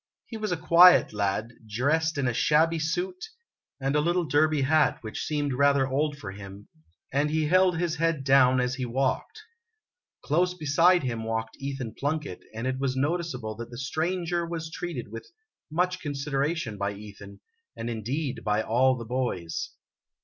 He was a quiet lad, dressed in a shabby suit and a little derby hat which seemed rather old for him, and he held his head down as he walked. Close beside him walked Ethan Plunkett, and it was noticeable that the stranger was treated with much consideration by Ethan, and in deed by all the boys.